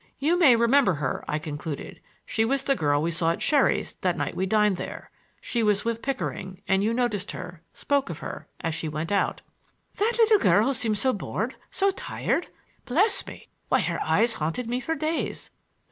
"You may remember her," I concluded, "she was the girl we saw at Sherry's that night we dined there. She was with Pickering, and you noticed her,—spoke of her, as she went out." "That little girl who seemed so bored, or tired? Bless me! Why her eyes haunted me for days.